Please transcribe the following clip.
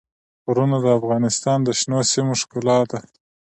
غرونه د افغانستان د شنو سیمو ښکلا ده.